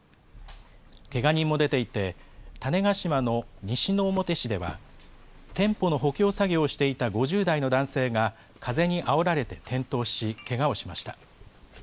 けが人も出ていて、種子島の西之表市では、店舗の補強作業をしていた５０代の男性が風にあおられて転倒し、けがをしました。